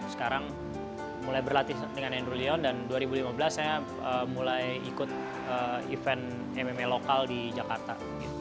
sekarang mulai berlatih dengan andrew leon dan dua ribu lima belas saya mulai ikut event mma lokal di jakarta